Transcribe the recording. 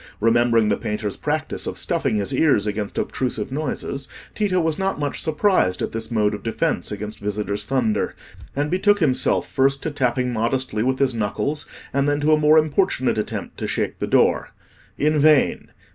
Remembering the painter's practice of stuffing his ears against obtrusive noises, Tito was not much surprised at this mode of defence against visitors' thunder, and betook himself first to tapping modestly with his knuckles, and then to a more importunate attempt to shake the door. In vain!